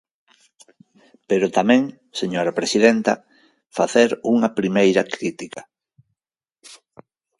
Pero tamén, señora presidenta, facer unha primeira crítica.